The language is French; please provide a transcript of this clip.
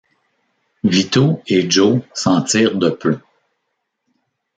Vito et Joe s'en tirent de peu...